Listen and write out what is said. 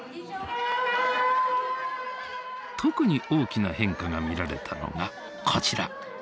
特に大きな変化が見られたのがこちら。